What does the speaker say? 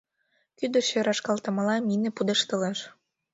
Кӱдырчӧ рашкалтымыла мине пудештылеш.